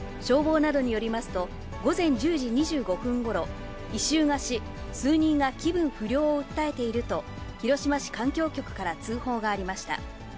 消防などによりますと、午前１０時２５分ごろ、異臭がし、数人が気分不良を訴えていると、広島市環境局から通報がありました。